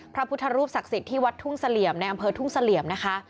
พระพุทธรูปศักดิ์สิทธิ์ที่วัดทุ่งเสลี่ยมในอำเภอทุ่งเสลี่ยมนะคะ